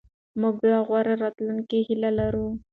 موږ د غوره راتلونکي هیله لرو.